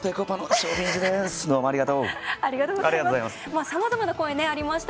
ありがとうございます。